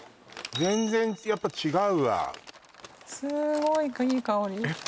全然やっぱ違うわすごくいい香りえっ